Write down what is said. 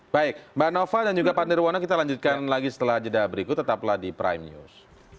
baik mbak nova dan juga pak nirwana kita lanjutkan lagi setelah jeda berikut tetaplah di prime news